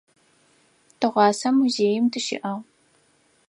Тыгъуасэ музеим тыщыӏагъ.